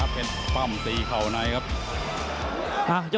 มันต้องอย่างงี้มันต้องอย่างงี้